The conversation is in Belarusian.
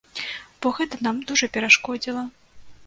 Бо гэта нам дужа перашкодзіла.